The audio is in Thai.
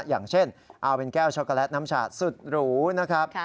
อย่างเช่นเอาเป็นแก้วช็อกโกแลตน้ำชาสุดหรูนะครับ